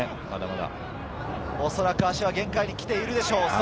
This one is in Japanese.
おそらく足は限界に来ているでしょう。